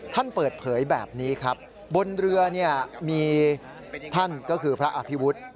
ท่านเปิดเผยแบบนี้ครับบนเรือเนี่ยมีท่านก็คือพระอภิวุฒิ